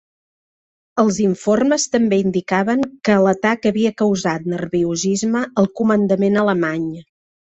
Els informes també indicaven que l'atac havia causat nerviosisme al comandament alemany.